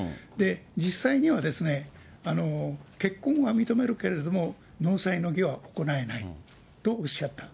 実際には、結婚は認めるけれども、納采の儀は行えないとおっしゃった。